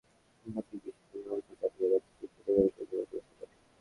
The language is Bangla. তরুণ চিত্রপরিচালক অনিন্দ্য আতিক একাত্তরের অভিজ্ঞতা নিয়ে তথ্যচিত্র নির্মাণের পরিকল্পনা করেছিল।